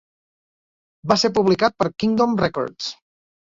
Va ser publicat per Kingdom Records.